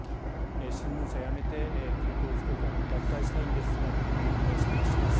新聞社を辞めて旧統一教会、脱会したいんですがという申し出をします。